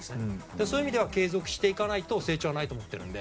そういう意味では継続しないと成長はないと思ってるので。